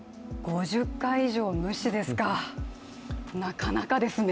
５０回以上無視ですかなかなかですね。